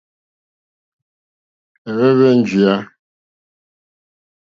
Ɛ́hwɛ́ǃhwɛ́ njìyá.